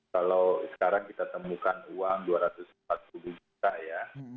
kalau sekarang kita temukan uang dua ratus empat puluh juta ya